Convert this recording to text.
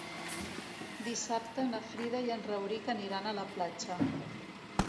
Dissabte na Frida i en Rauric aniran a la platja.